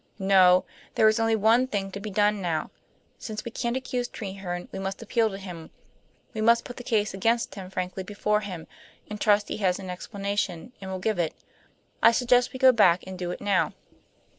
No; there is only one thing to be done now. Since we can't accuse Treherne, we must appeal to him. We must put the case against him frankly before him, and trust he has an explanation and will give it. I suggest we go back and do it now."